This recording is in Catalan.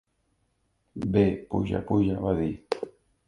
"Bé, puja, puja," va dir.